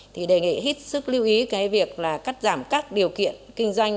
thì đề nghị hít sức lưu ý cái việc là cắt giảm các điều kiện kinh doanh